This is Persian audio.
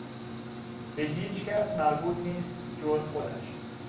به هیچکس مربوط نیست جز خودش.